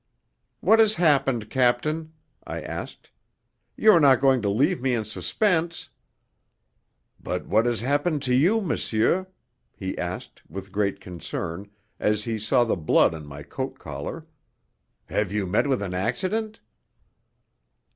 "What has happened, captain?" I asked. "You are not going to leave me in suspense?" "But what has happened to you, monsieur?" he asked, with great concern, as he saw the blood on my coat collar, "You have met with an accident?"